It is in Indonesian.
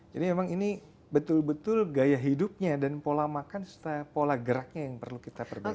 jadi memang ini betul betul gaya hidupnya dan pola makan setelah pola geraknya yang perlu kita perbaiki